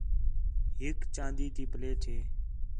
ہِک چاندی تی پلیٹ ہے